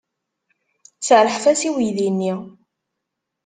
Serrḥet-as i uydi-nni.